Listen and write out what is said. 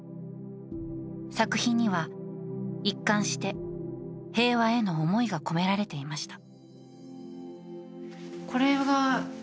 作品には、一貫して平和への思いが込められていました。